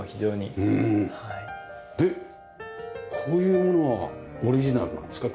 でこういうものはオリジナルなんですか？